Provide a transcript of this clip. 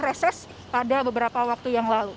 reses pada beberapa waktu yang lalu